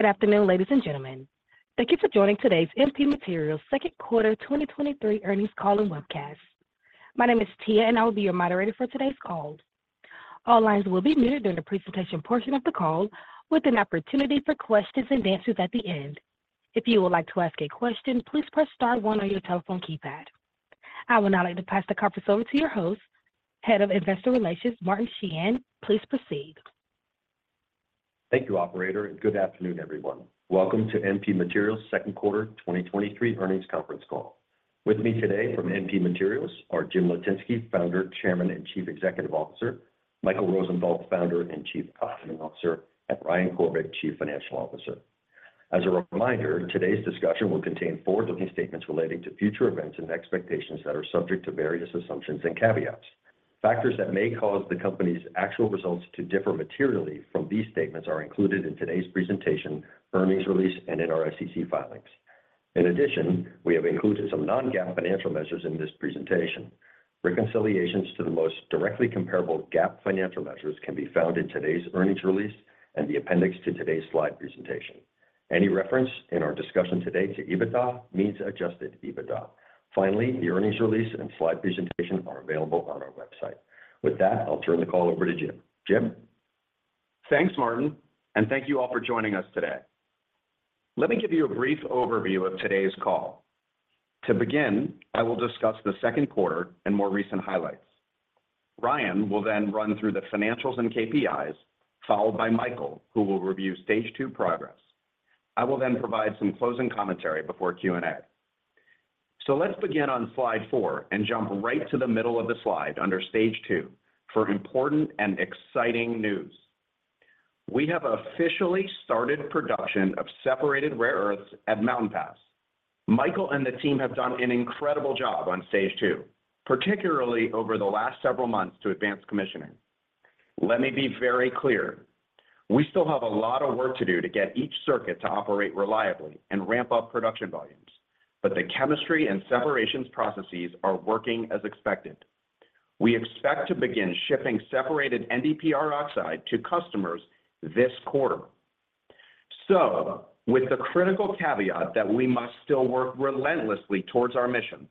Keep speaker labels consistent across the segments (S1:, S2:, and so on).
S1: Good afternoon, ladies and gentlemen. Thank you for joining today's MP Materials Second Quarter 2023 Earnings Call and Webcast. My name is Tia, I will be your moderator for today's call. All lines will be muted during the presentation portion of the call, with an opportunity for questions and answers at the end. If you would like to ask a question, please press star one on your telephone keypad. I would now like to pass the conference over to your host, Head of Investor Relations, Martin Sheehan. Please proceed.
S2: Thank you, Operator. Good afternoon, everyone. Welcome to MP Materials Second Quarter 2023 Earnings Conference Call. With me today from MP Materials are Jim Litinsky, Founder, Chairman, and Chief Executive Officer, Michael Rosenthal, Founder and Chief Operating Officer, and Ryan Corbett, Chief Financial Officer. As a reminder, today's discussion will contain forward-looking statements relating to future events and expectations that are subject to various assumptions and caveats. Factors that may cause the company's actual results to differ materially from these statements are included in today's presentation, earnings release, and in our SEC filings. In addition, we have included some non-GAAP financial measures in this presentation. Reconciliations to the most directly comparable GAAP financial measures can be found in today's earnings release and the appendix to today's slide presentation. Any reference in our discussion today to EBITDA means adjusted EBITDA. Finally, the earnings release and slide presentation are available on our website. With that, I'll turn the call over to Jim. Jim?
S3: Thanks, Martin. Thank you all for joining us today. Let me give you a brief overview of today's call. To begin, I will discuss the second quarter and more recent highlights. Ryan will then run through the financials and KPIs, followed by Michael, who will review stage two progress. I will then provide some closing commentary before Q&A. Let's begin on slide four and jump right to the middle of the slide under stage two for important and exciting news. We have officially started production of separated rare earths at Mountain Pass. Michael and the team have done an incredible job on stage two, particularly over the last several months to advance commissioning. Let me be very clear, we still have a lot of work to do to get each circuit to operate reliably and ramp up production volumes, but the chemistry and separations processes are working as expected. We expect to begin shipping separated NdPr oxide to customers this quarter. With the critical caveat that we must still work relentlessly towards our mission,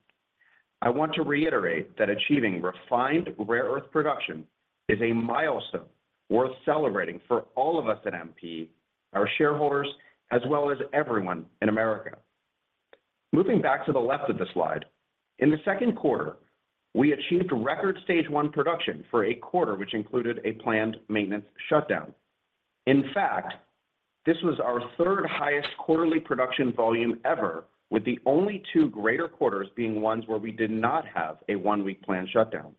S3: I want to reiterate that achieving refined rare earth production is a milestone worth celebrating for all of us at MP, our shareholders, as well as everyone in America. Moving back to the left of the slide, in the second quarter, we achieved record stage one production for a quarter which included a planned maintenance shutdown. In fact, this was our third highest quarterly production volume ever, with the only two greater quarters being ones where we did not have a one-week planned shutdown.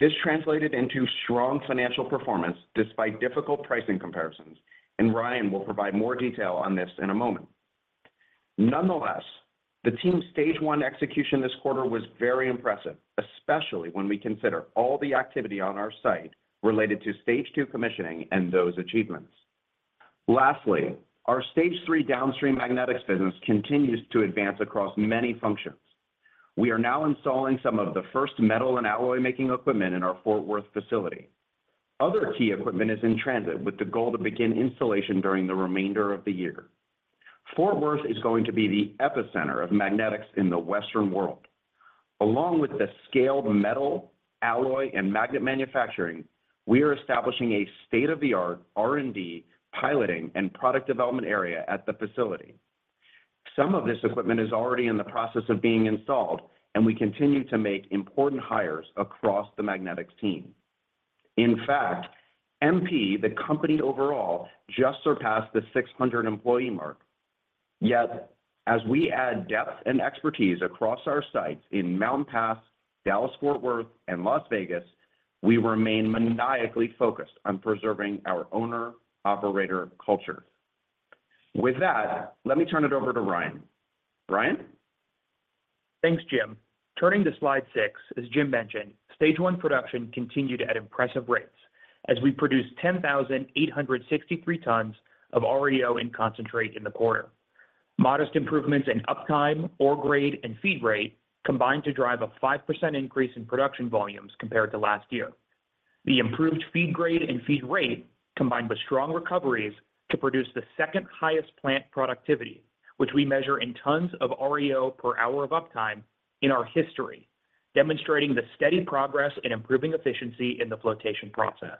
S3: This translated into strong financial performance despite difficult pricing comparisons, and Ryan will provide more detail on this in a moment. Nonetheless, the team's stage one execution this quarter was very impressive, especially when we consider all the activity on our site related to stage two commissioning and those achievements. Lastly, our stage three downstream magnetics business continues to advance across many functions. We are now installing some of the first metal and alloy making equipment in our Fort Worth facility. Other key equipment is in transit with the goal to begin installation during the remainder of the year. Fort Worth is going to be the epicenter of magnetics in the Western world. Along with the scaled metal, alloy, and magnet manufacturing, we are establishing a state-of-the-art R&D, piloting, and product development area at the facility. Some of this equipment is already in the process of being installed, and we continue to make important hires across the magnetics team. In fact, MP, the company overall, just surpassed the 600 employee mark. Yet, as we add depth and expertise across our sites in Mountain Pass, Dallas Fort Worth, and Las Vegas, we remain maniacally focused on preserving our owner/operator culture. With that, let me turn it over to Ryan. Ryan?
S4: Thanks, Jim. Turning to slide six, as Jim mentioned, stage one production continued at impressive rates as we produced 10,863 tons of REO in concentrate in the quarter. Modest improvements in uptime, ore grade, and feed rate combined to drive a 5% increase in production volumes compared to last year. The improved feed grade and feed rate, combined with strong recoveries, to produce the second highest plant productivity, which we measure in tons of REO per hour of uptime in our history, demonstrating the steady progress in improving efficiency in the flotation process.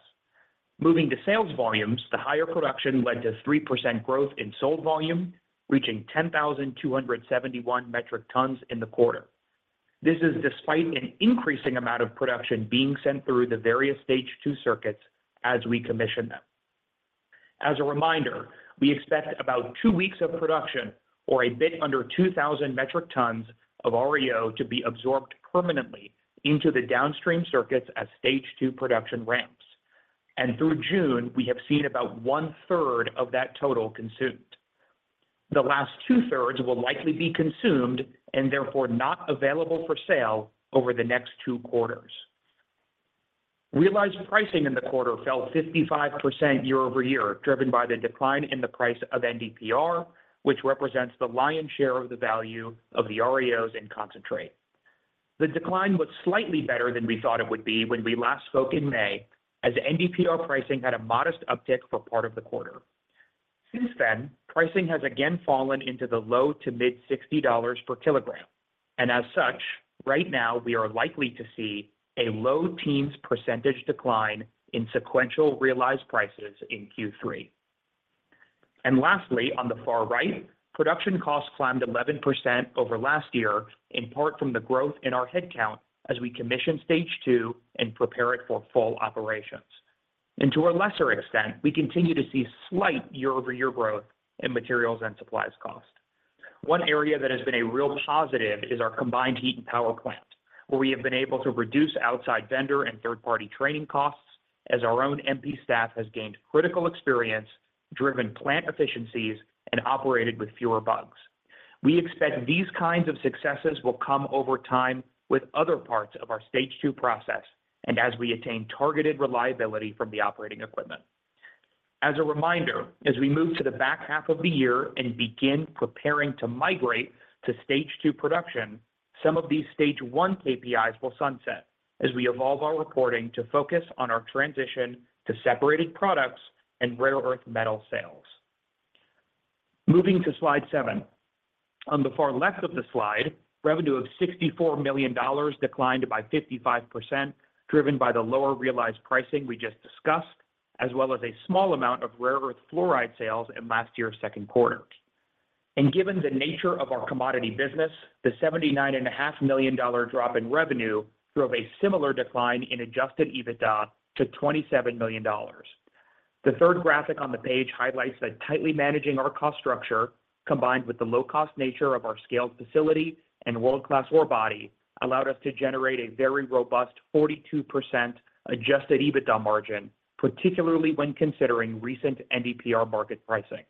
S4: Moving to sales volumes, the higher production led to 3% growth in sold volume, reaching 10,271 metric tons in the quarter. This is despite an increasing amount of production being sent through the various stage two circuits as we commission them. As a reminder, we expect about two weeks of production or a bit under 2,000 metric tons of REO to be absorbed permanently into the downstream circuits as stage two production ramps, and through June, we have seen about 1/3 of that total consumed. The last 2/3 will likely be consumed, and therefore not available for sale, over the next two quarters. Realized pricing in the quarter fell 55% year-over-year, driven by the decline in the price of NdPr, which represents the lion's share of the value of the REOs in concentrate. The decline was slightly better than we thought it would be when we last spoke in May, as NdPr pricing had a modest uptick for part of the quarter. Since then, pricing has again fallen into the low to mid $60 per kilogram, and as such, right now, we are likely to see a low teens percentage decline in sequential realized prices in Q3. Lastly, on the far right, production costs climbed 11% over last year, in part from the growth in our headcount as we commission stage two and prepare it for full operations. To a lesser extent, we continue to see slight year-over-year growth in materials and supplies cost. One area that has been a real positive is our combined heat and power plant, where we have been able to reduce outside vendor and third-party training costs as our own MP staff has gained critical experience, driven plant efficiencies, and operated with fewer bugs. We expect these kinds of successes will come over time with other parts of our stage two process and as we attain targeted reliability from the operating equipment. As a reminder, as we move to the back half of the year and begin preparing to migrate to stage two production, some of these stage one KPIs will sunset as we evolve our reporting to focus on our transition to separated products and rare earth metal sales. Moving to slide seven. On the far left of the slide, revenue of $64 million declined by 55%, driven by the lower realized pricing we just discussed, as well as a small amount of rare earth fluoride sales in last year's second quarter. Given the nature of our commodity business, the $79.5 million drop in revenue drove a similar decline in adjusted EBITDA to $27 million. The third graphic on the page highlights that tightly managing our cost structure, combined with the low-cost nature of our scaled facility and world-class ore body, allowed us to generate a very robust 42% adjusted EBITDA margin, particularly when considering recent NdPr market pricing.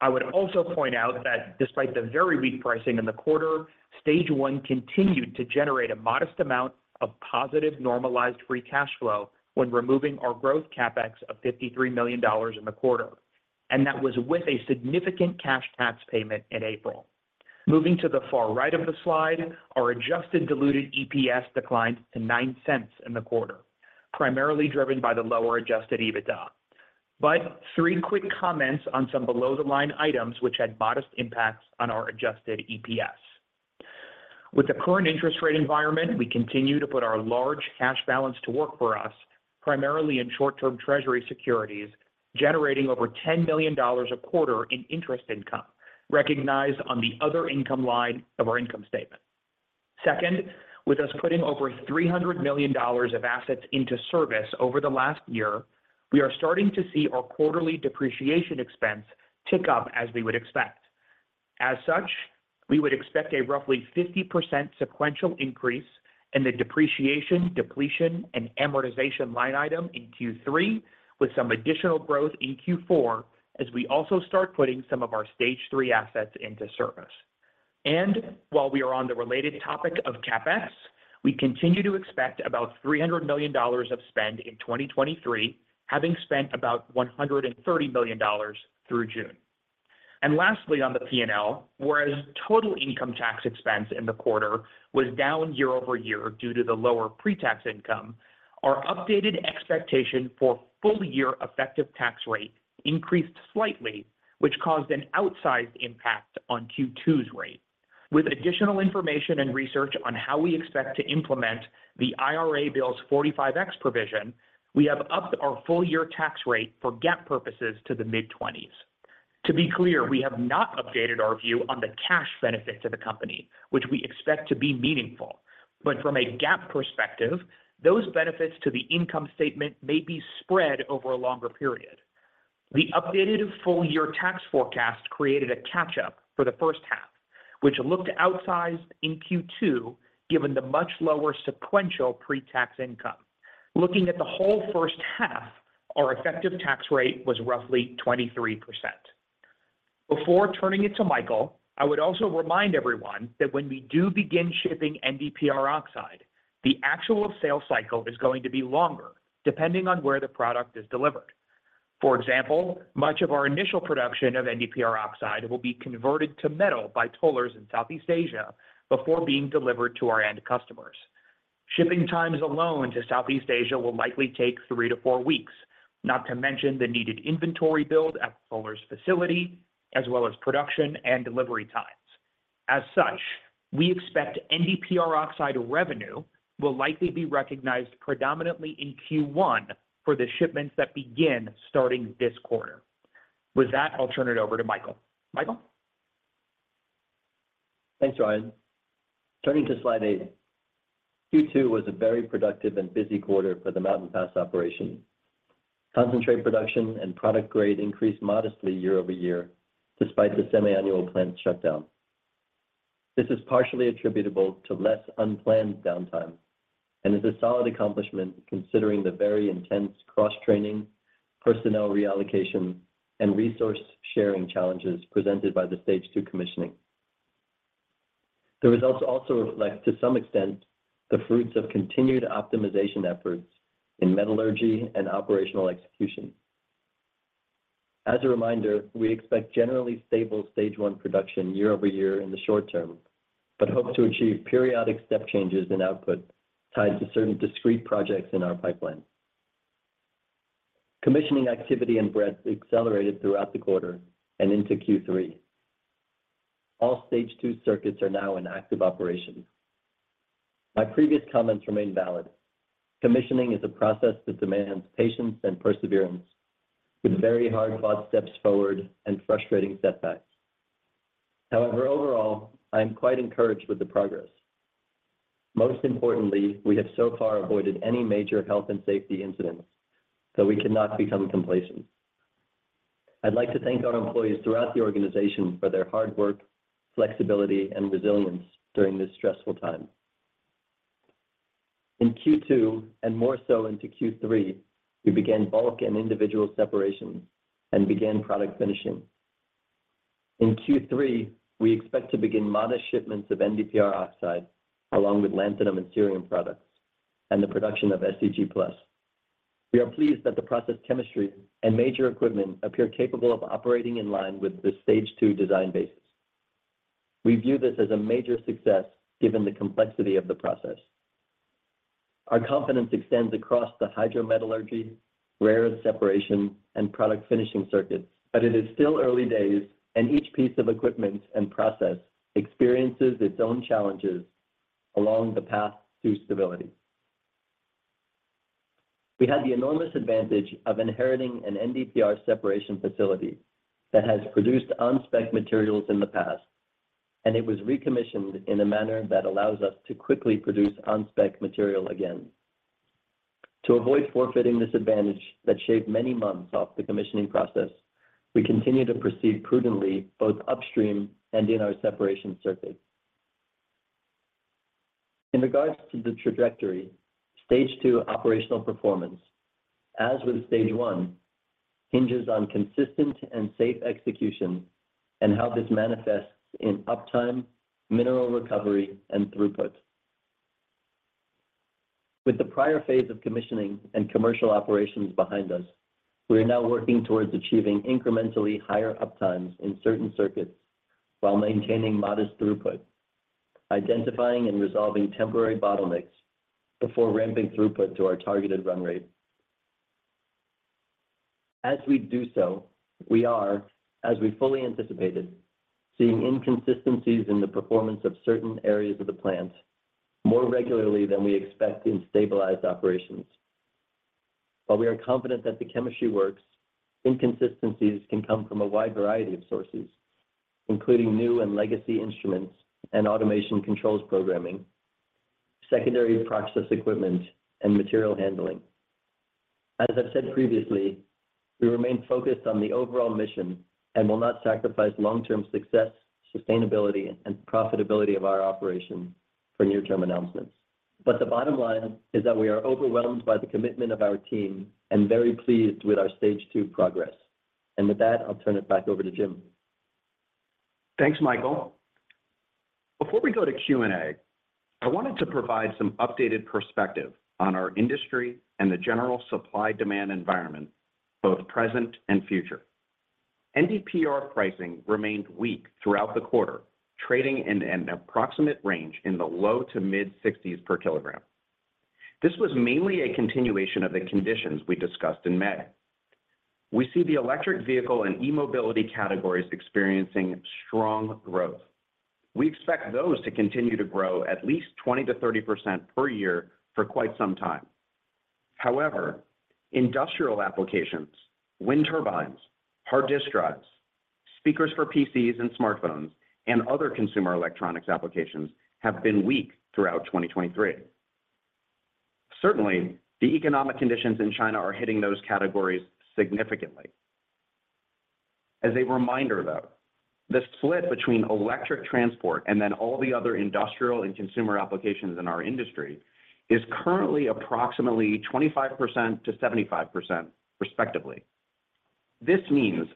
S4: I would also point out that despite the very weak pricing in the quarter, stage one continued to generate a modest amount of positive, normalized free cash flow when removing our growth CapEx of $53 million in the quarter, and that was with a significant cash tax payment in April. Moving to the far right of the slide, our adjusted diluted EPS declined to $0.09 in the quarter, primarily driven by the lower adjusted EBITDA. Three quick comments on some below-the-line items, which had modest impacts on our adjusted EPS. With the current interest rate environment, we continue to put our large cash balance to work for us, primarily in short-term treasury securities, generating over $10 million a quarter in interest income, recognized on the other income line of our income statement. Second, with us putting over $300 million of assets into service over the last year, we are starting to see our quarterly depreciation expense tick up as we would expect. As such, we would expect a roughly 50% sequential increase in the depreciation, depletion, and amortization line item in Q3, with some additional growth in Q4 as we also start putting some of our stage three assets into service. While we are on the related topic of CapEx, we continue to expect about $300 million of spend in 2023, having spent about $130 million through June. Lastly, on the P&L, whereas total income tax expense in the quarter was down year-over-year due to the lower pre-tax income, our updated expectation for full-year effective tax rate increased slightly, which caused an outsized impact on Q2's rate. With additional information and research on how we expect to implement the IRA bill's 45X provision, we have upped our full-year tax rate for GAAP purposes to the mid-20s. To be clear, we have not updated our view on the cash benefits of the company, which we expect to be meaningful, but from a GAAP perspective, those benefits to the income statement may be spread over a longer period. The updated full-year tax forecast created a catch-up for the first half, which looked outsized in Q2, given the much lower sequential pre-tax income. Looking at the whole first half, our effective tax rate was roughly 23%. Before turning it to Michael, I would also remind everyone that when we do begin shipping NdPr oxide, the actual sales cycle is going to be longer, depending on where the product is delivered. For example, much of our initial production of NdPr oxide will be converted to metal by tollers in Southeast Asia before being delivered to our end customers. Shipping times alone to Southeast Asia will likely take three to four weeks, not to mention the needed inventory build at the toller's facility, as well as production and delivery times. As such, we expect NdPr oxide revenue will likely be recognized predominantly in Q1 for the shipments that begin starting this quarter. With that, I'll turn it over to Michael. Michael?
S5: Thanks, Ryan. Turning to slide eight. Q2 was a very productive and busy quarter for the Mountain Pass operation. Concentrate production and product grade increased modestly year-over-year, despite the semi-annual plant shutdown. This is partially attributable to less unplanned downtime and is a solid accomplishment, considering the very intense cross-training, personnel reallocation, and resource-sharing challenges presented by the stage two commissioning. The results also reflect, to some extent, the fruits of continued optimization efforts in metallurgy and operational execution. As a reminder, we expect generally stable stage one production year-over-year in the short term, but hope to achieve periodic step changes in output tied to certain discrete projects in our pipeline. Commissioning activity and breadth accelerated throughout the quarter and into Q3. All stage two circuits are now in active operation. My previous comments remain valid. Commissioning is a process that demands patience and perseverance, with very hard-fought steps forward and frustrating setbacks. However, overall, I am quite encouraged with the progress. Most importantly, we have so far avoided any major health and safety incidents, though we cannot become complacent. I'd like to thank our employees throughout the organization for their hard work, flexibility, and resilience during this stressful time. In Q2, and more so into Q3, we began bulk and individual separations and began product finishing. In Q3, we expect to begin modest shipments of NdPr oxide, along with lanthanum and cerium products, and the production of SEG+. We are pleased that the process chemistry and major equipment appear capable of operating in line with the stage two design basis. We view this as a major success, given the complexity of the process. Our confidence extends across the hydrometallurgy, rare earth separation, and product finishing circuits, but it is still early days, and each piece of equipment and process experiences its own challenges along the path to stability. We had the enormous advantage of inheriting an NdPr separation facility that has produced on-spec materials in the past, and it was recommissioned in a manner that allows us to quickly produce on-spec material again. To avoid forfeiting this advantage that shaved many months off the commissioning process, we continue to proceed prudently, both upstream and in our separation circuit. In regards to the trajectory, stage two operational performance, as with stage one, hinges on consistent and safe execution and how this manifests in uptime, mineral recovery, and throughput. With the prior phase of commissioning and commercial operations behind us, we are now working towards achieving incrementally higher uptimes in certain circuits while maintaining modest throughput, identifying and resolving temporary bottlenecks before ramping throughput to our targeted run rate. As we do so, we are, as we fully anticipated, seeing inconsistencies in the performance of certain areas of the plant more regularly than we expect in stabilized operations. While we are confident that the chemistry works, inconsistencies can come from a wide variety of sources, including new and legacy instruments and automation controls programming, secondary process equipment, and material handling. As I've said previously, we remain focused on the overall mission and will not sacrifice long-term success, sustainability, and profitability of our operation for near-term announcements. The bottom line is that we are overwhelmed by the commitment of our team and very pleased with our stage two progress. With that, I'll turn it back over to Jim.
S3: Thanks, Michael. Before we go to Q&A, I wanted to provide some updated perspective on our industry and the general supply-demand environment, both present and future. NdPr pricing remained weak throughout the quarter, trading in an approximate range in the low to mid-$60s per kilogram. This was mainly a continuation of the conditions we discussed in May. We see the electric vehicle and e-mobility categories experiencing strong growth. We expect those to continue to grow at least 20%-30% per year for quite some time. However, industrial applications, wind turbines, hard disk drives, speakers for PCs and smartphones, and other consumer electronics applications have been weak throughout 2023. Certainly, the economic conditions in China are hitting those categories significantly. As a reminder, though, the split between electric transport and then all the other industrial and consumer applications in our industry is currently approximately 25% to 75%, respectively. This means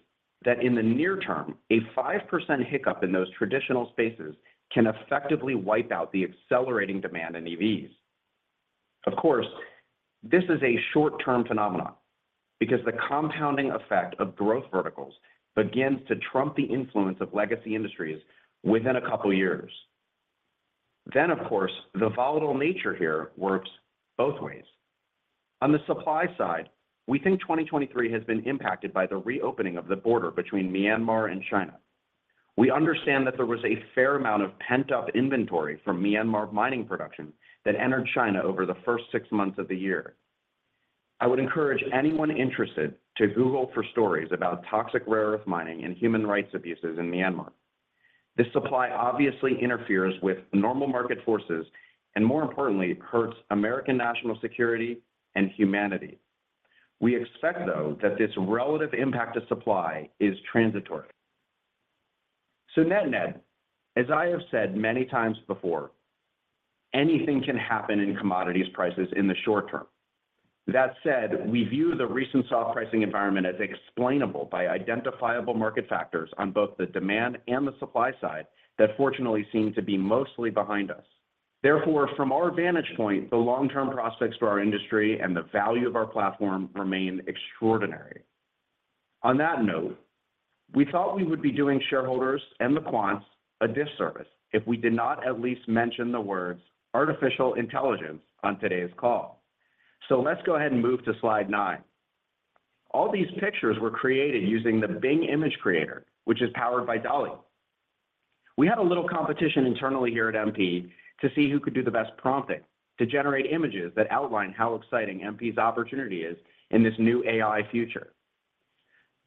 S3: that in the near term, a 5% hiccup in those traditional spaces can effectively wipe out the accelerating demand in EVs. Of course, this is a short-term phenomenon because the compounding effect of growth verticals begins to trump the influence of legacy industries within a couple of years. Of course, the volatile nature here works both ways. On the supply side, we think 2023 has been impacted by the reopening of the border between Myanmar and China. We understand that there was a fair amount of pent-up inventory from Myanmar mining production that entered China over the first six months of the year. I would encourage anyone interested to Google for stories about toxic rare earth mining and human rights abuses in Myanmar. This supply obviously interferes with normal market forces and, more importantly, hurts American national security and humanity. We expect, though, that this relative impact of supply is transitory. Net-net, as I have said many times before, anything can happen in commodities prices in the short term. That said, we view the recent soft pricing environment as explainable by identifiable market factors on both the demand and the supply side that fortunately seem to be mostly behind us. From our vantage point, the long-term prospects for our industry and the value of our platform remain extraordinary. On that note, we thought we would be doing shareholders and the quants a disservice if we did not at least mention the words artificial intelligence on today's call. Let's go ahead and move to slide nine. All these pictures were created using the Bing Image Creator, which is powered by DALL-E. We had a little competition internally here at MP to see who could do the best prompting to generate images that outline how exciting MP's opportunity is in this new AI future.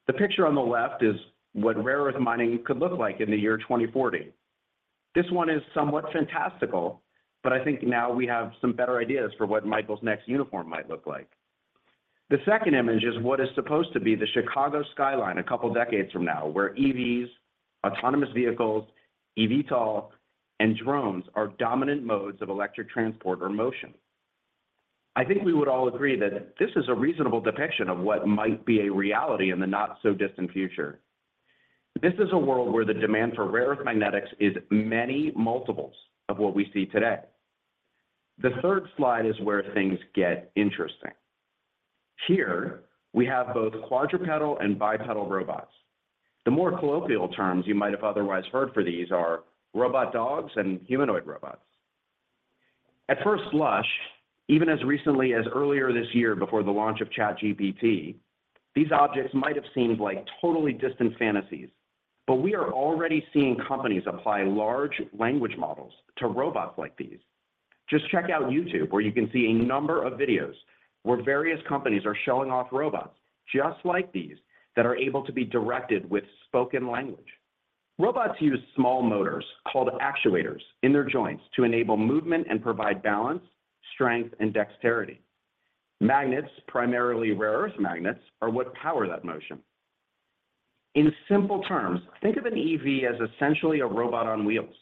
S3: The picture on the left is what rare earth mining could look like in the year 2040. This one is somewhat fantastical, but I think now we have some better ideas for what Michael's next uniform might look like. The second image is what is supposed to be the Chicago skyline a couple of decades from now, where EVs, autonomous vehicles, eVTOL, and drones are dominant modes of electric transport or motion. I think we would all agree that this is a reasonable depiction of what might be a reality in the not-so-distant future. This is a world where the demand for rare earth magnetics is many multiples of what we see today. The third slide is where things get interesting. Here, we have both quadrupedal and bipedal robots. The more colloquial terms you might have otherwise heard for these are robot dogs and humanoid robots. At first blush, even as recently as earlier this year before the launch of ChatGPT, these objects might have seemed like totally distant fantasies, but we are already seeing companies apply large language models to robots like these. Just check out YouTube, where you can see a number of videos where various companies are showing off robots just like these that are able to be directed with spoken language. Robots use small motors called actuators in their joints to enable movement and provide balance, strength, and dexterity. Magnets, primarily rare earth magnets, are what power that motion. In simple terms, think of an EV as essentially a robot on wheels.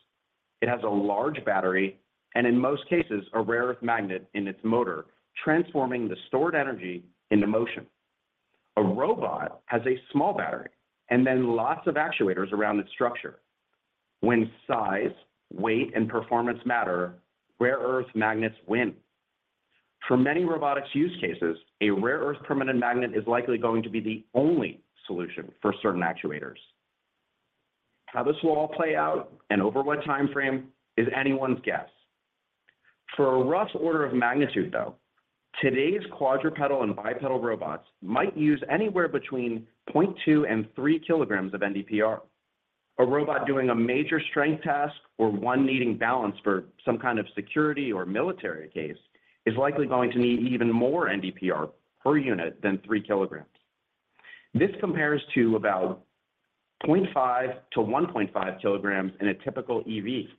S3: It has a large battery, and in most cases, a rare earth magnet in its motor, transforming the stored energy into motion. A robot has a small battery and then lots of actuators around its structure. When size, weight, and performance matter, rare earth magnets win. For many robotics use cases, a rare earth permanent magnet is likely going to be the only solution for certain actuators. How this will all play out and over what time frame is anyone's guess. For a rough order of magnitude, though, today's quadrupedal and bipedal robots might use anywhere between 0.2 kg and 3 kg of NdPr. A robot doing a major strength task or one needing balance for some kind of security or military case is likely going to need even more NdPr per unit than 3 kg. This compares to about 0.5 kg-1.5 kg in a typical EV.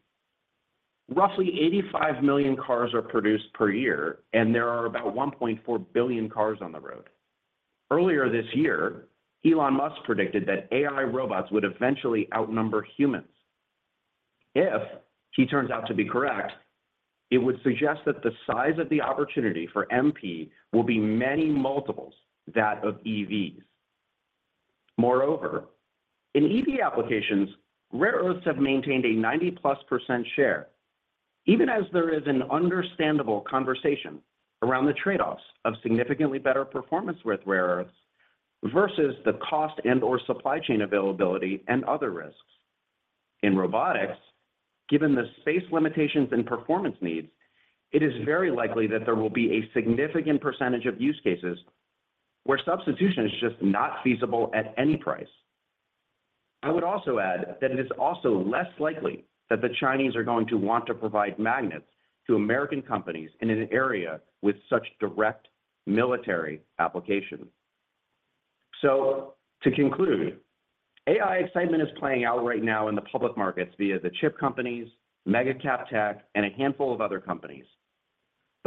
S3: Roughly 85 million cars are produced per year, and there are about 1.4 billion cars on the road. Earlier this year, Elon Musk predicted that AI robots would eventually outnumber humans. If he turns out to be correct, it would suggest that the size of the opportunity for MP will be many multiples that of EVs. Moreover, in EV applications, rare earths have maintained a 90%+ share, even as there is an understandable conversation around the trade-offs of significantly better performance with rare earths versus the cost and/or supply chain availability and other risks. In robotics, given the space limitations and performance needs, it is very likely that there will be a significant percentage of use cases where substitution is just not feasible at any price. I would also add that it is also less likely that the Chinese are going to want to provide magnets to American companies in an area with such direct military application. To conclude, AI excitement is playing out right now in the public markets via the chip companies, mega cap tech, and a handful of other companies.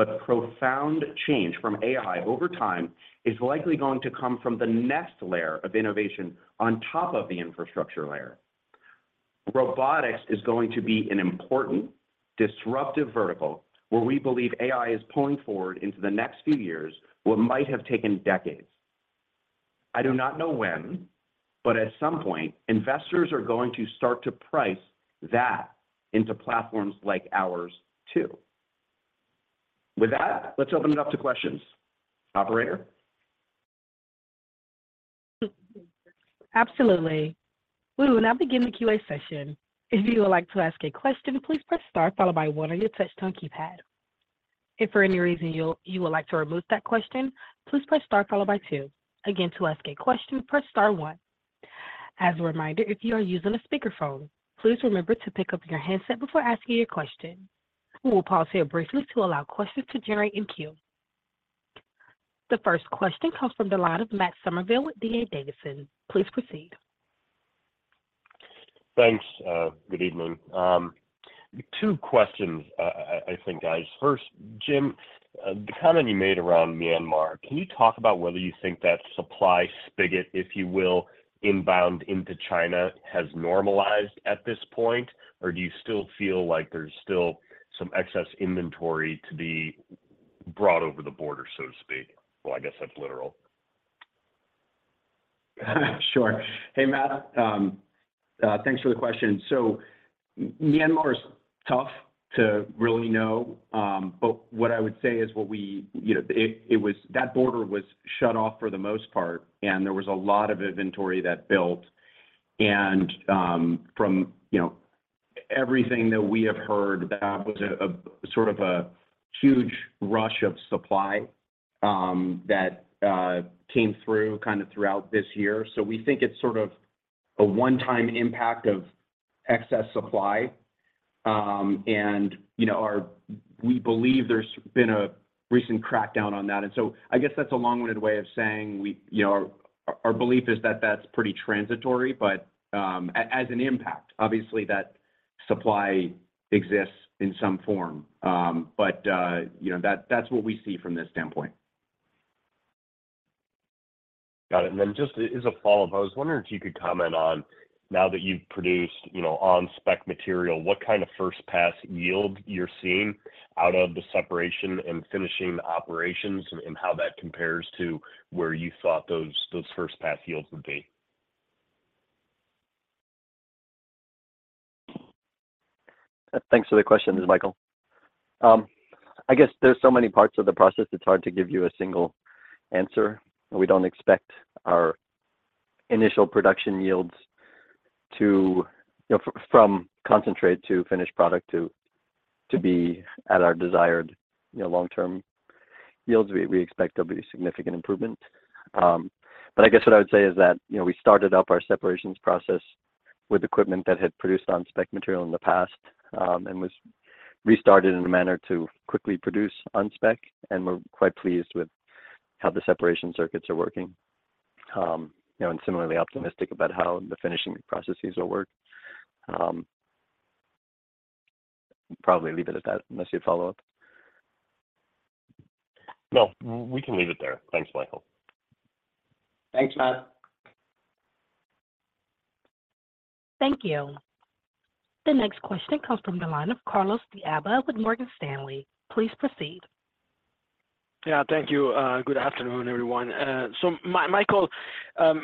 S3: Profound change from AI over time is likely going to come from the next layer of innovation on top of the infrastructure layer. Robotics is going to be an important disruptive vertical where we believe AI is pulling forward into the next few years what might have taken decades. I do not know when, but at some point, investors are going to start to price that into platforms like ours, too. With that, let's open it up to questions. Operator?
S1: Absolutely. We will now begin the QA session. If you would like to ask a question, please press star followed by one on your touch-tone keypad. If for any reason you would like to remove that question, please press star followed by two. Again, to ask a question, press star one. As a reminder, if you are using a speakerphone, please remember to pick up your handset before asking your question. We will pause here briefly to allow questions to generate in queue. The first question comes from the line of Matt Summerville with DA Davidson. Please proceed.
S6: Thanks. Good evening. Two questions, I think, guys. First, Jim, the comment you made around Myanmar, can you talk about whether you think that supply spigot, if you will, inbound into China, has normalized at this point? Or do you still feel like there's still some excess inventory to be brought over the border, so to speak? Well, I guess that's literal.
S3: Sure. Hey, Matt, thanks for the question. Myanmar is tough to really know, but what I would say is, you know, it was that border was shut off for the most part, and there was a lot of inventory that built. And, from, you know, everything that we have heard, that was a sort of a huge rush of supply, that came through kind of throughout this year. We think it's sort of a one-time impact of excess supply. You know, we believe there's been a recent crackdown on that. I guess that's a long-winded way of saying we, you know, our, our belief is that that's pretty transitory, but as an impact. Obviously, that supply exists in some form. You know, that's what we see from this standpoint.
S6: Got it. Then just as a follow-up, I was wondering if you could comment on, now that you've produced, you know, on-spec material, what kind of first-pass yield you're seeing out of the separation and finishing operations, and, and how that compares to where you thought those, those first-pass yields would be?
S5: Thanks for the question, this is Michael. I guess there's so many parts of the process, it's hard to give you a single answer. We don't expect our initial production yields to, you know, from concentrate to finished product to be at our desired, you know, long-term yields. We expect there'll be significant improvement. But I guess what I would say is that, you know, we started up our separations process with equipment that had produced on-spec material in the past, and was restarted in a manner to quickly produce on-spec, and we're quite pleased with how the separation circuits are working. You know, similarly optimistic about how the finishing processes will work. Probably leave it at that, unless you have follow-up.
S6: No, we can leave it there. Thanks, Michael.
S3: Thanks, Matt.
S1: Thank you. The next question comes from the line of Carlos De Alba with Morgan Stanley. Please proceed.
S7: Yeah, thank you. Good afternoon, everyone. So Michael, I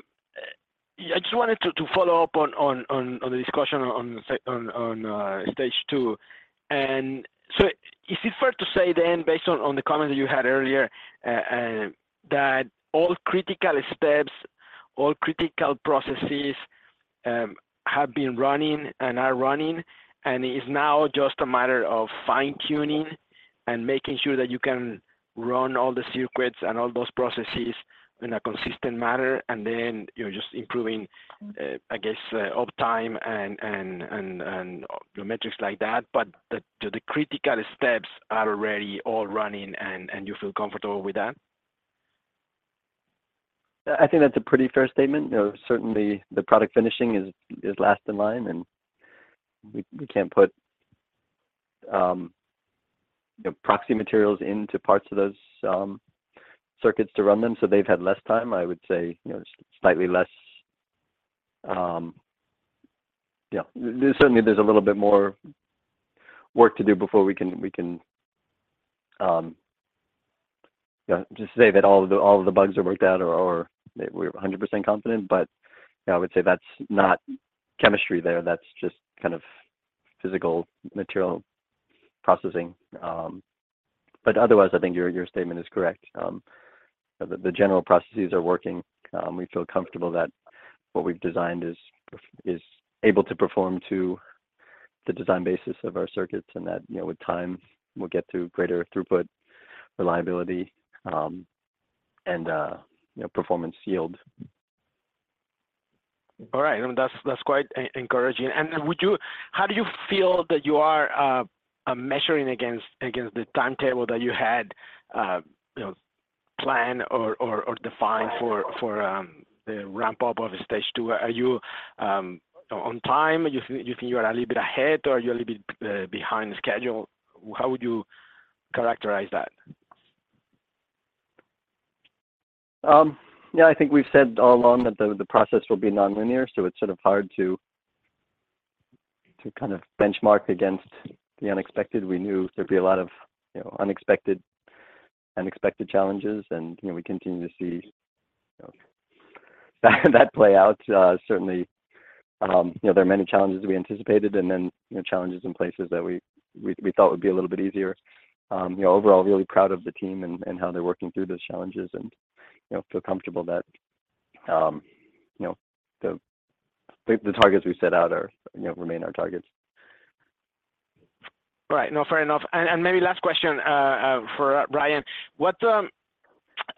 S7: just wanted to follow up on the discussion on stage two. So is it fair to say then, based on the comments that you had earlier, that all critical steps, all critical processes, have been running and are running, and it's now just a matter of fine-tuning and making sure that you can run all the circuits and all those processes in a consistent manner, and then, you're just improving, I guess, uptime and the metrics like that. The critical steps are already all running, and you feel comfortable with that?
S5: I think that's a pretty fair statement. You know, certainly the product finishing is last in line, and we can't put, you know, proxy materials into parts of those circuits to run them, so they've had less time, I would say, you know, slightly less. Yeah. Certainly, there's a little bit more work to do before we can, you know, just say that all of the bugs are worked out or that we're 100% confident. Yeah, I would say that's not chemistry there, that's just kind of physical material processing. Otherwise, I think your, your statement is correct. The, the general processes are working. We feel comfortable that what we've designed is able to perform to the design basis of our circuits, and that, you know, with time, we'll get to greater throughput, reliability, and, you know, performance yield.
S7: All right. That's, that's quite encouraging. How do you feel that you are measuring against the timetable that you had, you know, planned or defined for the ramp-up of stage two? Are you on time? You think, you think you are a little bit ahead, or are you a little bit behind schedule? How would you characterize that?
S5: Yeah, I think we've said all along that the process will be nonlinear, so it's sort of hard to kind of benchmark against the unexpected. We knew there'd be a lot of, you know, unexpected challenges, and, you know, we continue to see that play out. Certainly, you know, there are many challenges we anticipated, and then, you know, challenges in places that we thought would be a little bit easier. You know, overall, really proud of the team and, and how they're working through those challenges and, you know, feel comfortable that, you know, the targets we set out are, you know, remain our targets.
S7: Right. No, fair enough. Maybe last question for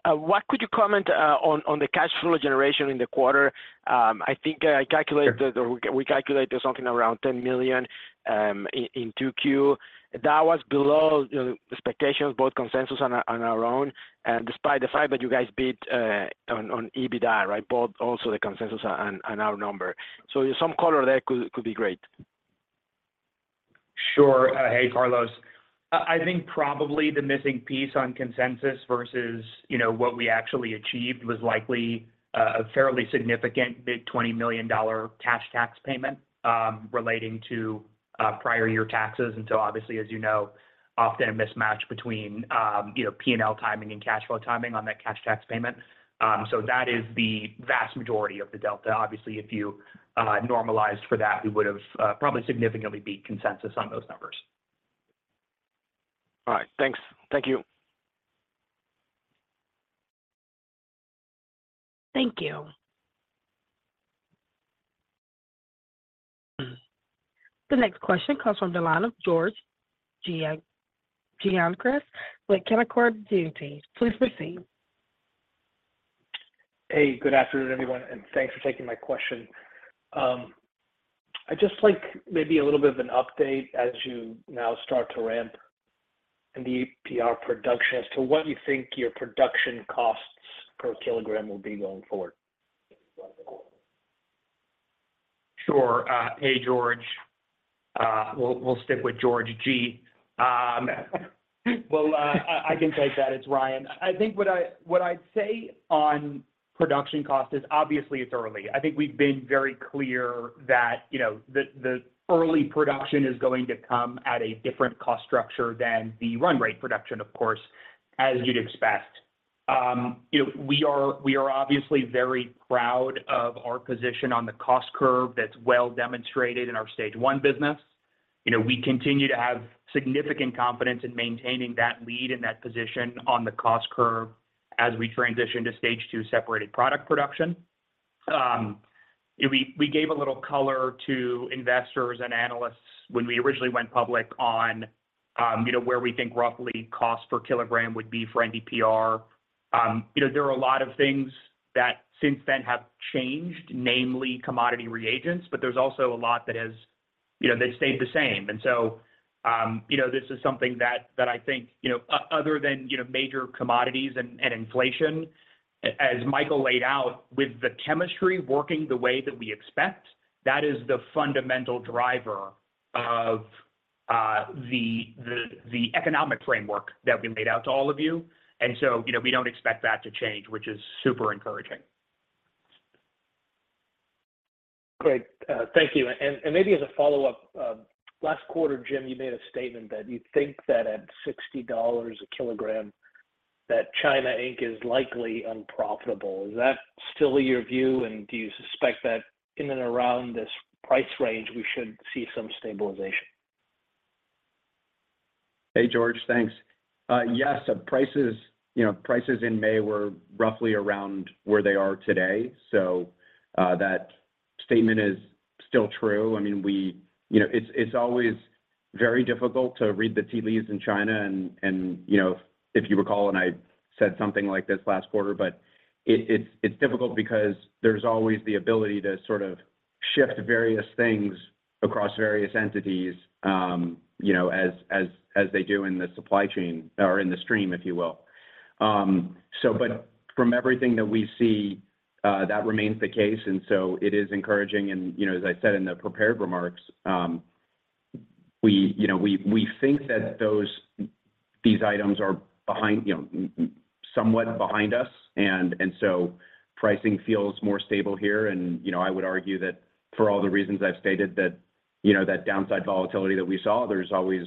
S7: Ryan. What could you comment on the cash flow generation in the quarter? I think I calculated or we calculated something around $10 million in 2Q. That was below, you know, expectations, both consensus and our own despite the fact that you guys beat on EBITDA, right? Both also the consensus and our number. Some color there could be great.
S4: Sure. Hey, Carlos. I, I think probably the missing piece on consensus versus, you know, what we actually achieved was likely a fairly significant big $20 million cash tax payment, relating to prior year taxes. Obviously, as you know, often a mismatch between, you know, P&L timing and cash flow timing on that cash tax payment. So that is the vast majority of the delta. Obviously, if you normalized for that, we would've probably significantly beat consensus on those numbers.
S8: All right, thanks. Thank you.
S1: Thank you. The next question comes from the line of George Gianarikas with Canaccord Genuity. Please proceed.
S9: Hey, good afternoon, everyone, and thanks for taking my question. I'd just like maybe a little bit of an update as you now start to ramp NdPr production as to what you think your production costs per kilogram will be going forward?
S4: Sure. Hey, George. We'll stick with George G. Well, I can take that. It's Ryan. I think what I'd say on production cost is obviously it's early. I think we've been very clear that, you know, the, the early production is going to come at a different cost structure than the run rate production, of course, as you'd expect. You know, we are obviously very proud of our position on the cost curve that's well demonstrated in our stage one business. You know, we continue to have significant confidence in maintaining that lead and that position on the cost curve as we transition to stage two separated product production. We gave a little color to investors and analysts when we originally went public on, you know, where we think roughly cost per kilogram would be for NdPr. You know, there are a lot of things that since then have changed, namely commodity reagents, but there's also a lot that has, you know, they've stayed the same. And so, you know, this is something that I think, you know, other than, you know, major commodities and inflation, as Michael laid out, with the chemistry working the way that we expect, that is the fundamental driver of the economic framework that we made out to all of you. And so, you know, we don't expect that to change, which is super encouraging.
S9: Great. Thank you. And maybe as a follow-up, last quarter, Jim, you made a statement that you think that at $60 a kilogram, that China Inc is likely unprofitable. Is that still your view? And do you suspect that in and around this price range, we should see some stabilization?
S3: Hey, George. Thanks. Yes, prices, you know, prices in May were roughly around where they are today, so that statement is still true. You know, it's, it's always very difficult to read the tea leaves in China and, you know, if you recall, and I said something like this last quarter, but it's difficult because there's always the ability to sort of shift various things across various entities, you know, as they do in the supply chain or in the stream, if you will. But from everything that we see, that remains the case, and so it is encouraging. You know, as I said in the prepared remarks, you know, we think that these items are behind, you know, somewhat behind us, so pricing feels more stable here. You know, I would argue that for all the reasons I've stated, that, you know, downside volatility that we saw, there's always,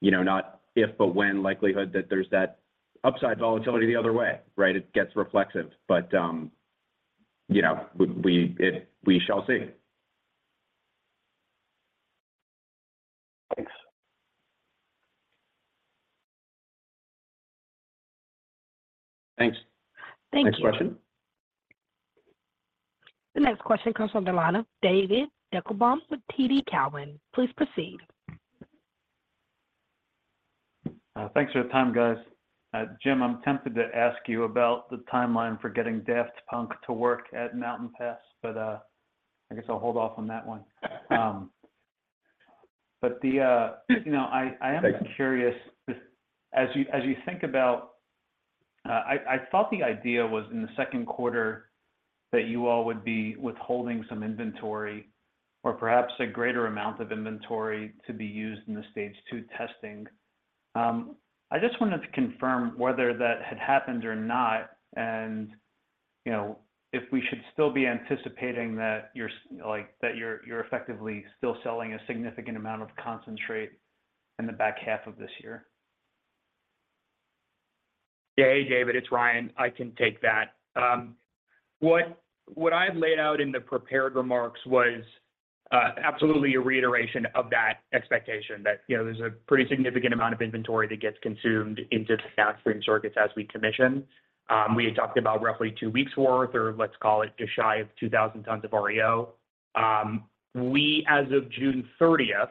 S3: you know, not if but when likelihood that there's that upside volatility the other way, right? It gets reflexive, but, you know, we shall see.
S9: Thanks.
S3: Thanks.
S1: Thank you.
S3: Next question.
S1: The next question comes from the line of David Deckelbaum with TD Cowen. Please proceed.
S8: Thanks for the time, guys. Jim, I'm tempted to ask you about the timeline for getting Daft Punk to work at Mountain Pass. I guess I'll hold off on that one. But, you know, I am curious, as you, as you think about, I thought the idea was in the second quarter that you all would be withholding some inventory or perhaps a greater amount of inventory to be used in the stage two testing. I just wanted to confirm whether that had happened or not, and, you know, if we should still be anticipating that you're effectively still selling a significant amount of concentrate in the back half of this year?
S4: Yeah. Hey, David, it's Ryan. I can take that. What I had laid out in the prepared remarks was absolutely a reiteration of that expectation, that, you know, there's a pretty significant amount of inventory that gets consumed into the downstream circuits as we commission. We had talked about roughly two weeks' worth, or let's call it just shy of 2,000 tons of REO. We, as of June 30th,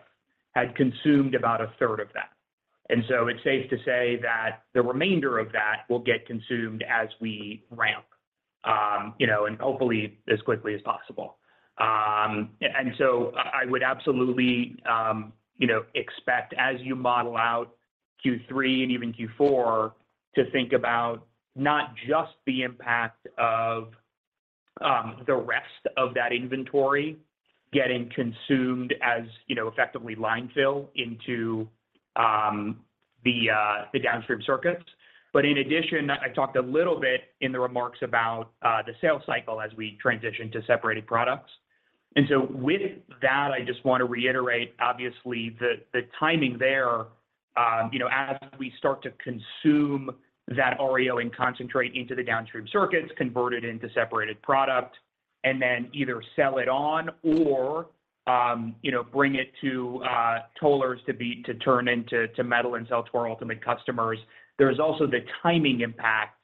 S4: had consumed about a third of that. So it's safe to say that the remainder of that will get consumed as we ramp, you know, and hopefully as quickly as possible. So I would absolutely, you know, expect as you model out Q3 and even Q4, to think about not just the impact of the rest of that inventory getting consumed, as, you know, effectively line fill into the downstream circuits. In addition, I talked a little bit in the remarks about the sales cycle as we transition to separated products. With that, I just want to reiterate, obviously, the timing there, you know, as we start to consume that REO and concentrate into the downstream circuits, convert it into separated product, and then either sell it on or, you know, bring it to tollers to turn into metal and sell to our ultimate customers. There is also the timing impact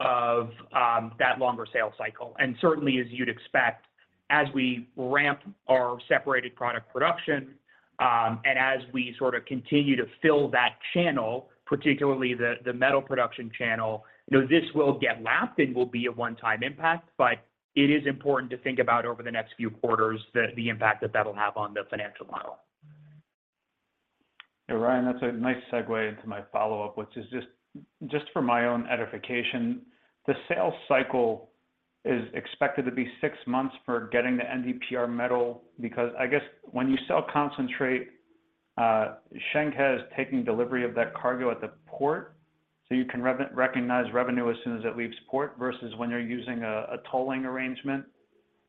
S4: of that longer sales cycle, and certainly, as you'd expect, as we ramp our separated product production, and as we sort of continue to fill that channel, particularly the metal production channel, you know, this will get lapped and will be a one-time impact. It is important to think about over the next few quarters the impact that that'll have on the financial model.
S8: Yeah, Ryan, that's a nice segue into my follow-up, which is just, just for my own edification. The sales cycle is expected to be six months for getting the NdPr metal, because I guess when you sell concentrate, Shenghe is taking delivery of that cargo at the port, so you can recognize revenue as soon as it leaves port, versus when you're using a tolling arrangement.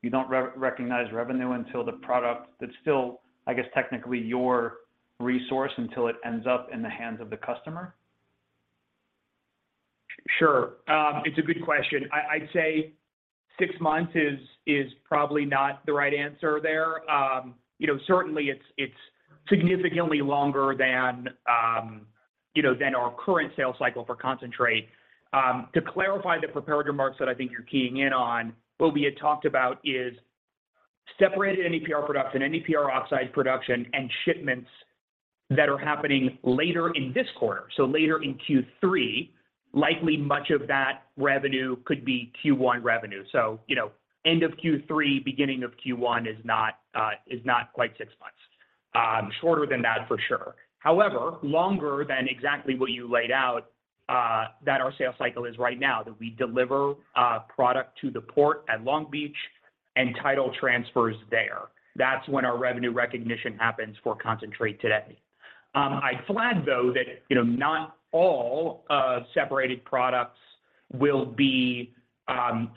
S8: You don't re-recognize revenue until the product that's still, I guess, technically your resource, until it ends up in the hands of the customer?
S4: Sure. It's a good question. I'd say six months is probably not the right answer there. You know, certainly it's significantly longer than, you know, our current sales cycle for concentrate. To clarify the prepared remarks that I think you're keying in on, what we had talked about is separated NdPr production, NdPr oxide production, and shipments that are happening later in this quarter. Later in Q3, likely much of that revenue could be Q1 revenue. You know, end of Q3, beginning of Q1 is not quite six months. Shorter than that for sure. However, longer than exactly what you laid out that our sales cycle is right now, that we deliver product to the port at Long Beach and title transfers there. That's when our revenue recognition happens for concentrate today. I flag, though, that, you know, not all separated products will be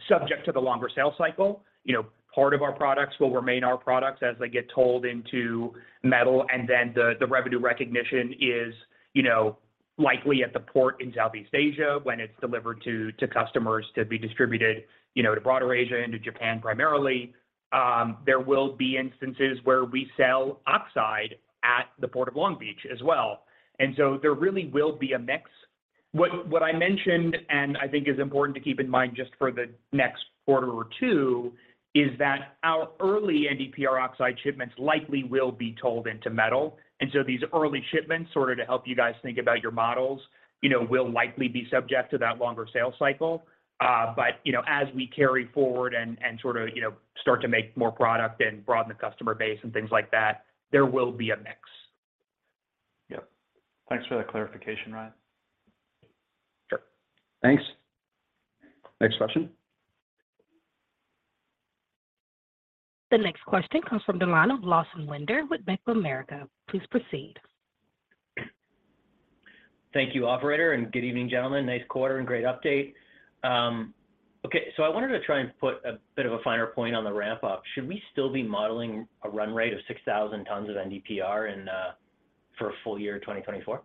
S4: subject to the longer sales cycle. You know, part of our products will remain our products as they get tolled into metal, and then the revenue recognition is, you know, likely at the port in Southeast Asia when it's delivered to customers to be distributed, you know, to broader Asia and to Japan primarily. There will be instances where we sell oxide at the Port of Long Beach as well, and so there really will be a mix. What I mentioned, and I think is important to keep in mind just for the next quarter or two, is that our early NdPr oxide shipments likely will be tolled into metal. These early shipments, sort of to help you guys think about your models, you know, will likely be subject to that longer sales cycle. You know, as we carry forward and, sort of, you know, start to make more product and broaden the customer base and things like that, there will be a mix.
S8: Yep. Thanks for the clarification, Ryan.
S4: Sure.
S6: Thanks. Next question.
S1: The next question comes from the line of Lawson Winder with Bank of America. Please proceed.
S10: Thank you, Operator, and good evening, gentlemen. Nice quarter and great update. I wanted to try and put a bit of a finer point on the ramp-up. Should we still be modeling a run rate of 6,000 tons of NdPr in for full year 2024?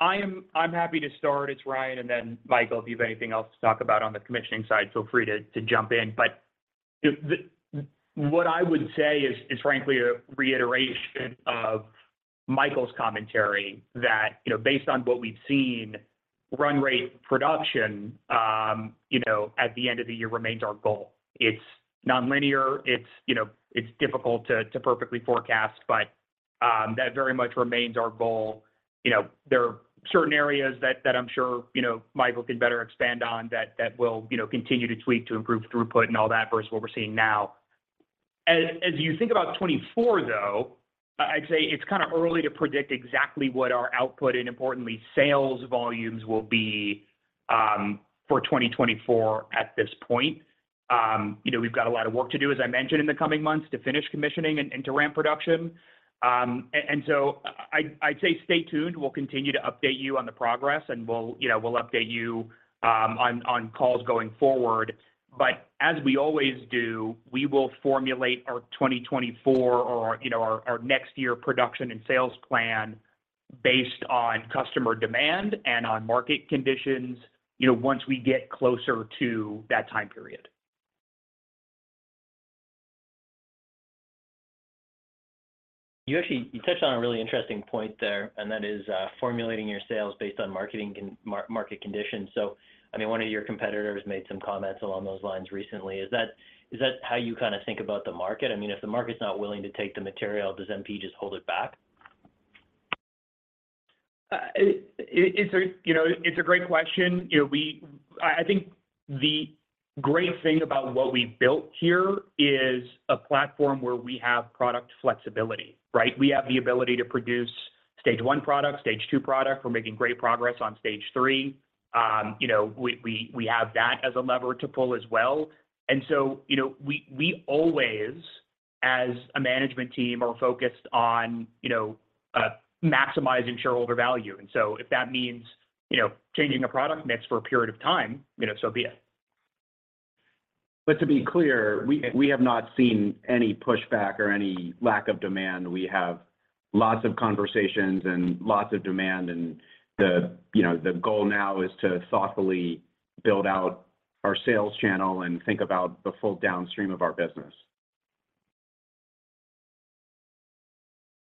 S4: I'm happy to start. It's Ryan. Then Michael, if you have anything else to talk about on the commissioning side, feel free to jump in. The what I would say is frankly a reiteration of Michael's commentary that, you know, based on what we've seen, run rate production, you know, at the end of the year remains our goal. It's nonlinear. You know, it's difficult to perfectly forecast but that very much remains our goal. You know, there are certain areas that I'm sure, you know, Michael can better expand on, that will, you know, continue to tweak to improve throughput and all that versus what we're seeing now. As you think about 2024, though, I'd say it's kind of early to predict exactly what our output and importantly, sales volumes will be for 2024 at this point. You know, we've got a lot of work to do, as I mentioned, in the coming months, to finish commissioning and to ramp production. And so I'd say stay tuned. We'll continue to update you on the progress and, you know, we'll update you on calls going forward. As we always do, we will formulate our 2024 or our next year production and sales plan based on customer demand and on market conditions, you know, once we get closer to that time period.
S10: You actually, you touched on a really interesting point there, and that is formulating your sales based on marketing market conditions. I mean, one of your competitors made some comments along those lines recently. Is that how you kind of think about the market? I mean, if the market's not willing to take the material, does MP just hold it back?
S4: It's a great question. You know, I think the great thing about what we've built here is a platform where we have product flexibility, right? We have the ability to produce stage one products, stage two products. We're making great progress on stage three. You know, we have that as a lever to pull as well. So, you know, we always, as a management team, are focused on, you know, maximizing shareholder value. So if that means, you know, changing a product mix for a period of time, you know, so be it.
S5: To be clear, we have not seen any pushback or any lack of demand. We have lots of conversations and lots of demand, and, you know, the goal now is to thoughtfully build out our sales channel and think about the full downstream of our business.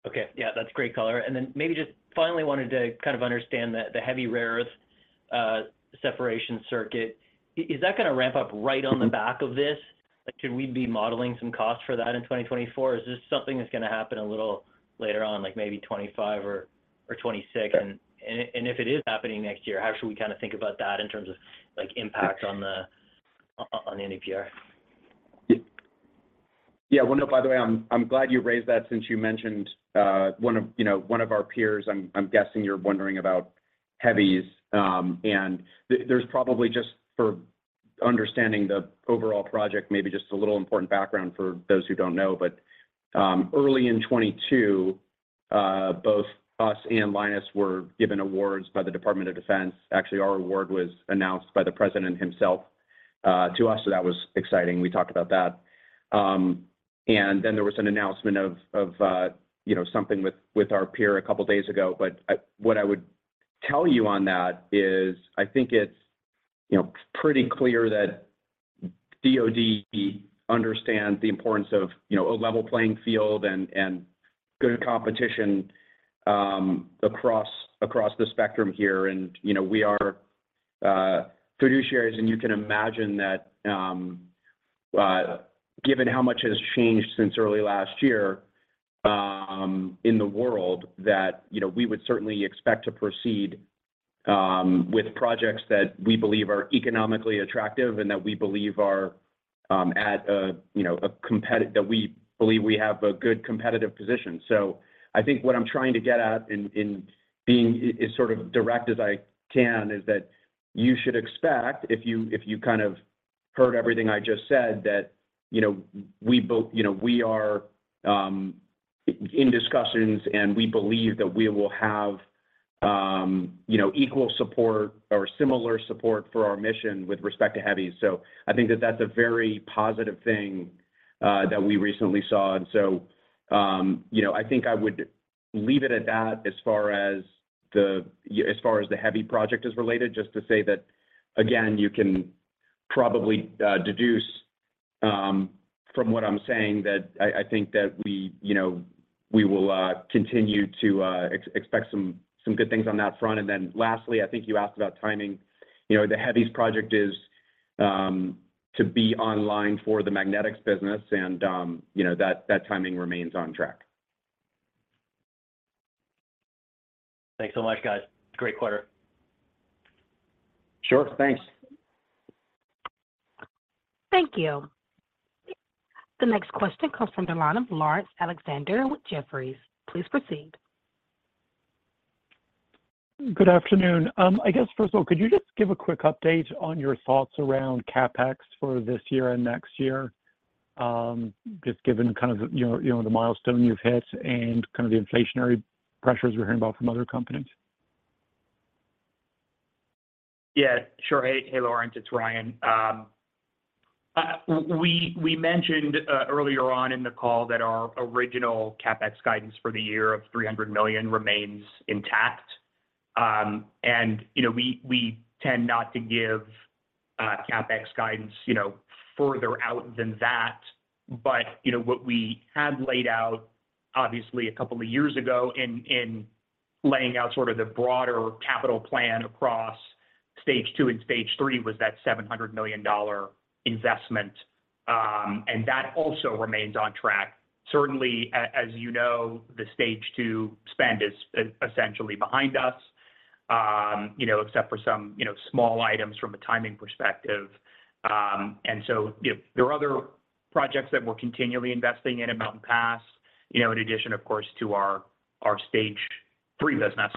S10: Okay. Yeah, that's great color. Then maybe just finally wanted to kind of understand the heavy rare earth separation circuit. Is that gonna ramp up right on the back of this? Like, should we be modeling some costs for that in 2024? Is this something that's gonna happen a little later on, like maybe 2025 or 2026? If it is happening next year, how should we kinda think about that in terms of, like, impact on NdPr?
S5: Yeah. Well, no, by the way, I'm, I'm glad you raised that since you mentioned, you know, one of our peers. I'm guessing you're wondering about heavies. There's probably, just for understanding the overall project, maybe just a little important background for those who don't know. Early in 2022, both us and Lynas were given awards by the Department of Defense. Actually, our award was announced by the President himself. To us, that was exciting. We talked about that. Then there was an announcement of, you know, something with our peer a couple of days ago.
S3: What I would tell you on that is, I think it's, you know, pretty clear that DoD understands the importance of, you know, a level playing field and good competition across the spectrum here. You know, we are fiduciaries, and you can imagine that given how much has changed since early last year in the world, that, you know, we would certainly expect to proceed with projects that we believe are economically attractive and that we believe we have a good competitive position. I think what I'm trying to get at in being as sort of direct as I can, is that you should expect, if you, if you kind of heard everything I just said, that, you know, we are in discussions, and we believe that we will have, you know, equal support or similar support for our mission with respect to heavies. I think that that's a very positive thing that we recently saw. You know, I think I would leave it at that as far as the heavy project is related, just to say that, again, you can probably deduce from what I'm saying, that I think that, you know, we will continue to expect some good things on that front. Lastly, I think you asked about timing. You know, the heavies project is to be online for the magnetics business, and, you know, that timing remains on track.
S10: Thanks so much, guys. Great quarter.
S3: Sure, thanks.
S1: Thank you. The next question comes from the line of Laurence Alexander with Jefferies. Please proceed.
S11: Good afternoon. I guess, first of all, could you just give a quick update on your thoughts around CapEx for this year and next year? Just given kind of, you know, the milestone you've hit and kind of the inflationary pressures we're hearing about from other companies.
S4: Yeah, sure. Hey, hey, Laurence, it's Ryan. We mentioned earlier on in the call that our original CapEx guidance for the year of $300 million remains intact. You know, we tend not to give CapEx guidance, you know, further out than that. You know, what we had laid out, obviously, a couple of years ago in laying out sort of the broader capital plan across stage two and stage three, was that $700 million investment. That also remains on track. Certainly, as you know, the stage two spend is essentially behind us, you know, except for some, you know, small items from a timing perspective. So, you know, there are other projects that we're continually investing in, in Mountain Pass, you know, in addition, of course, to our stage three business.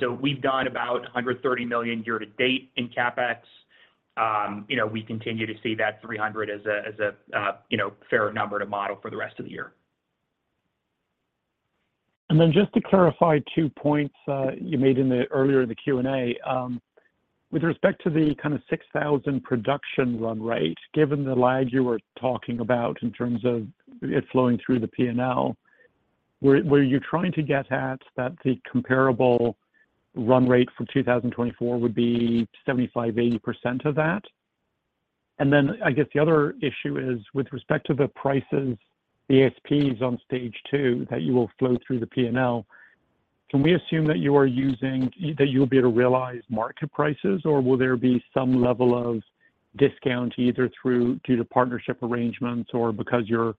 S4: So we've done about $130 million year to date in CapEx. You know, we continue to see that $300 million as a, you know, fair number to model for the rest of the year.
S11: Then just to clarify two points you made in the earlier Q&A. With respect to the kind of 6,000 production run rate, given the lag you were talking about in terms of it flowing through the P&L, were, were you trying to get at that the comparable run rate for 2024 would be 75%-80% of that? Then I guess the other issue is, with respect to the prices, the ASPs on stage two, that you will flow through the P&L, can we assume that you'll be able to realize market prices, or will there be some level of discount, either through, due to partnership arrangements or because you're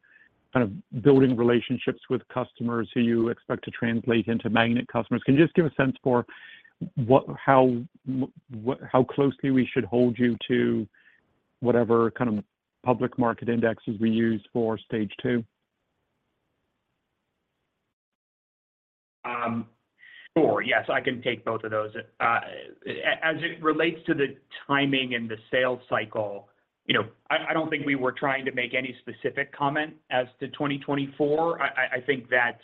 S11: kind of building relationships with customers who you expect to translate into magnet customers. Can you just give a sense for how closely we should hold you to whatever kind of public market indexes we use for stage two?
S4: Sure. Yes, I can take both of those. As it relates to the timing and the sales cycle, you know, I don't think we were trying to make any specific comment as to 2024. I think that,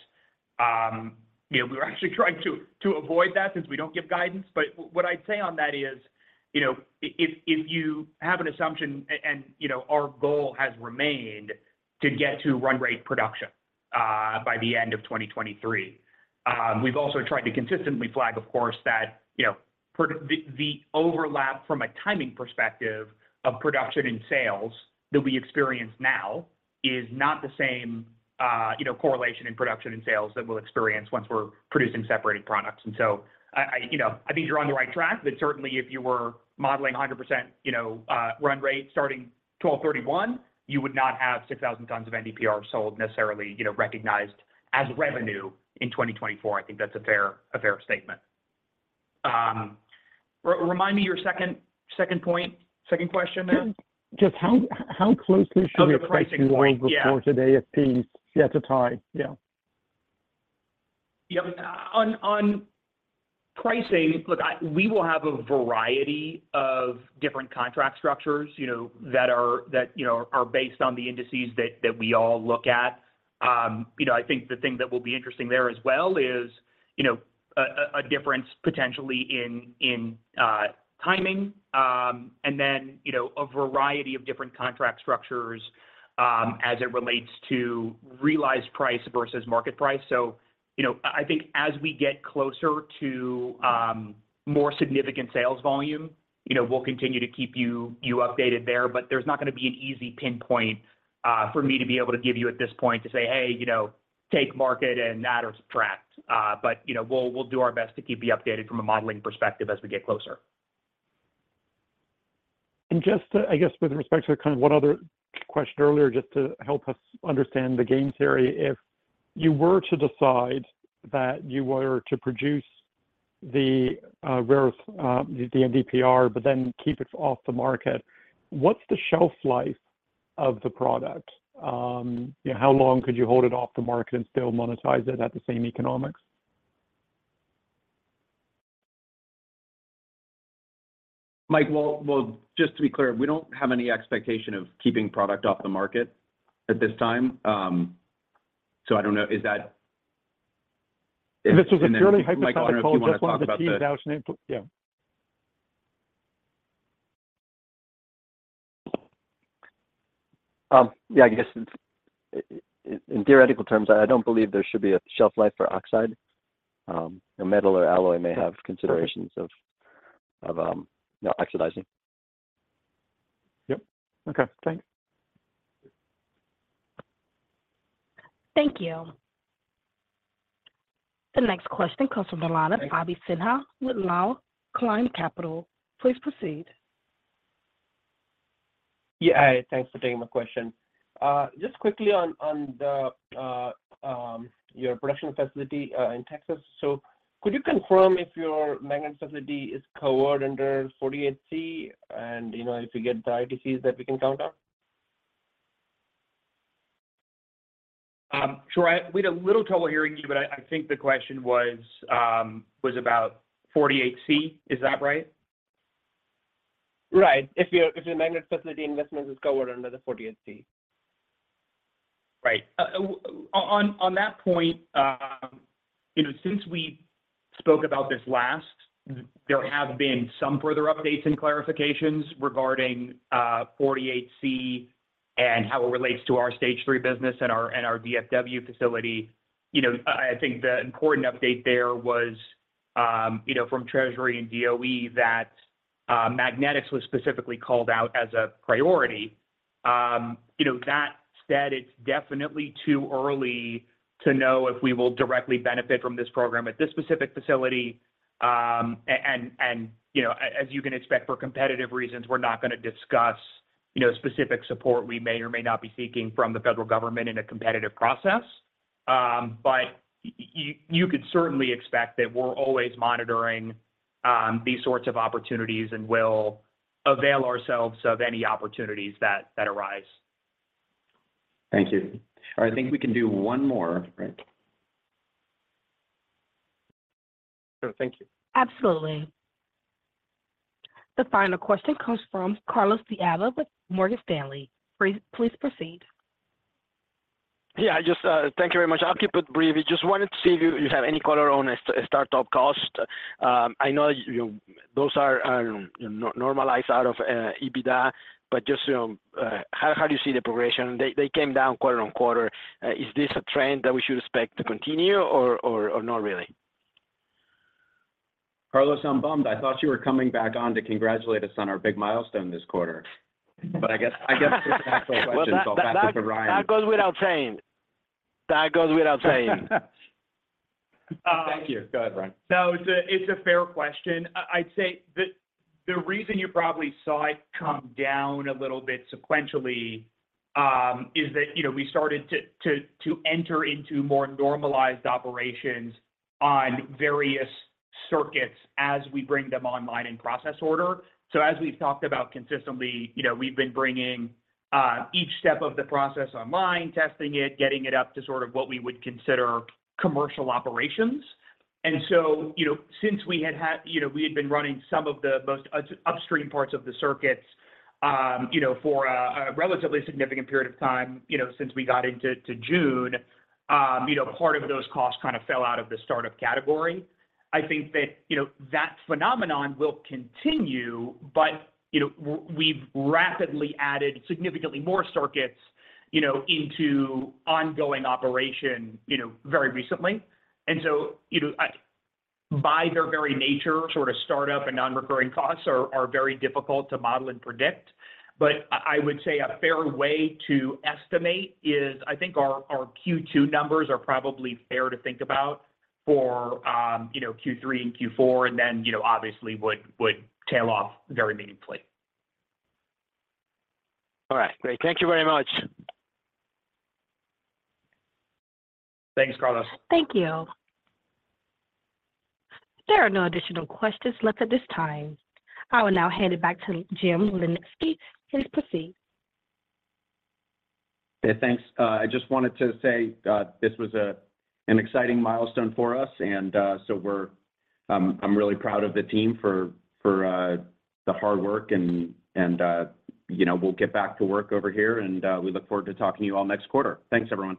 S4: you know, we're actually trying to avoid that since we don't give guidance. What I'd say on that is, you know, if you have an assumption and, you know, our goal has remained to get to run rate production by the end of 2023. We've also tried to consistently flag, of course, that, you know, the overlap from a timing perspective of production and sales that we experience now is not the same, you know, correlation in production and sales that we'll experience once we're producing separated products. So I think you're on the right track, but certainly if you were modeling 100%, you know, run rate starting 12/31, you would not have 6,000 tons of NdPr sold necessarily, you know, recognized as revenue in 2024. I think that's a fair statement. Remind me your second, second point, second question there?
S11: Just how, how closely should the pricing point you will report today as to time? Yeah.
S4: Yep. On pricing, look, we will have a variety of different contract structures, you know, that are, you know, based on the indices that we all look at. You know, I think the thing that will be interesting there as well is, you know, a difference potentially in timing, and then, you know, a variety of different contract structures, as it relates to realized price versus market price. You know, I, I think as we get closer to more significant sales volume, you know, we'll continue to keep you updated there. There's not gonna be an easy pinpoint for me to be able to give you at this point to say, hey, you know, take market and add or subtract. You know, we'll do our best to keep you updated from a modeling perspective as we get closer.
S11: Just to, I guess, with respect to kind of one other question earlier, just to help us understand the game theory. If you were to decide that you were to produce the rare earth, the NdPr, but then keep it off the market, what's the shelf life of the product? you know, how long could you hold it off the market and still monetize it at the same economics?
S4: Mike. Well, just to be clear, we don't have any expectation of keeping product off the market at this time. I don't know. Then, Mike, I don't know if you wanna talk about the-
S11: Yeah.
S5: Yeah, I guess in theoretical terms, I don't believe there should be a shelf life for oxide. A metal or alloy may have considerations of, you know, oxidizing.
S11: Yep. Okay, thanks.
S1: Thank you. The next question comes from the line of Abhi Sinha with Northland Capital. Please proceed.
S12: Yeah, thanks for taking my question. Just quickly on your production facility in Texas, could you confirm if your magnet facility is covered under 48C, and, you know, if you get the IDCs that we can count on?
S4: Sure. We had a little trouble hearing you, but I think the question was, was about 48C. Is that right?
S12: Right. If your magnet facility investment is covered under the 48C.
S4: Right. On that point, you know, since we spoke about this last, there have been some further updates and clarifications regarding 48C and how it relates to our stage three business and our DFW facility. You know, I think the important update there was, you know, from Treasury and DOE, that magnetics was specifically called out as a priority. That said, it's definitely too early and, you know, as you can expect for competitive reasons, we're not gonna discuss, you know, specific support we may or may not be seeking from the federal government in a competitive process. You, you could certainly expect that we're always monitoring these sorts of opportunities and will avail ourselves of any opportunities that arise.
S3: Thank you. I think we can do one more, right?
S11: Sure. Thank you.
S1: Absolutely. The final question comes from Carlos De Alba with Morgan Stanley. Please, please proceed.
S7: Yeah, I just. Thank you very much. I'll keep it brief. Just wanted to see if you, you have any color on a startup cost. I know, you know, those are normalized out of EBITDA, but just how do you see the progression? They came down quarter-over-quarter. Is this a trend that we should expect to continue or not really?
S5: Carlos, I'm bummed. I thought you were coming back on to congratulate us on our big milestone this quarter. I guess question, so I'll pass it to Ryan.
S4: That goes without saying. That goes without saying.
S5: Thank you. Go ahead, Ryan.
S4: No, it's a, it's a fair question. I, I'd say the, the reason you probably saw it come down a little bit sequentially, is that, you know, we started to enter into more normalized operations on various circuits as we bring them online in process order. As we've talked about consistently, you know, we've been bringing, each step of the process online, testing it, getting it up to sort of what we would consider commercial operations. Since we had been running some of the most upstream parts of the circuits, you know, for a relatively significant period of time, you know, since we got into to June, you know, part of those costs kind of fell out of the startup category. I think that, you know, that phenomenon will continue, but, you know, we've rapidly added significantly more circuits, you know, into ongoing operation, you know, very recently. So, you know, by their very nature, sort of startup and non-recurring costs are very difficult to model and predict. I would say a fair way to estimate is, I think our Q2 numbers are probably fair to think about for, you know, Q3 and Q4, then, you know, obviously would tail off very meaningfully.
S13: All right, great. Thank you very much.
S4: Thanks, Carlos.
S1: Thank you. There are no additional questions left at this time. I will now hand it back to Jim Litinsky. Please proceed.
S3: Hey, thanks. I just wanted to say, this was an exciting milestone for us, and I'm really proud of the team for the hard work and, you know, we'll get back to work over here, and we look forward to talking to you all next quarter. Thanks, everyone.